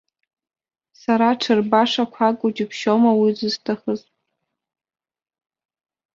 Сара ҽырбашақә акәу џьыбшьома уи зысҭахыз.